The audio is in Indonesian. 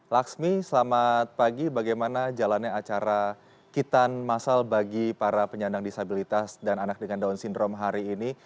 laksmi selamat pagi bagaimana jalannya acara kitan masal bagi para penyandang disabilitas dan anak dengan down syndrome hari ini